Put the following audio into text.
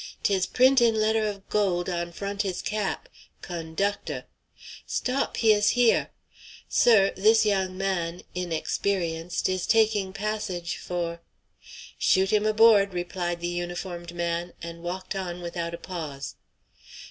'Tis print' in letter' of gold on front his cap 'Conductor' Stop! he is here. Sir, this young man, inexperienced, is taking passage for" "Shoot him aboard," replied a uniformed man, and walked on without a pause.